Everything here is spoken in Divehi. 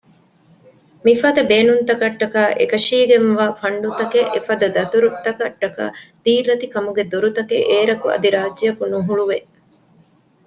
މިފަދަ ބޭނުންތަކަށްޓަކައި އެކަށީގެންވާ ފަންޑުތަކެއް އެފަދަ ދަތުރުތަކަށްޓަކައި ދީލަތި ކަމުގެ ދޮރުތަކެއް އޭރަކު އަދި ރާއްޖެއަކު ނުހުޅުވެ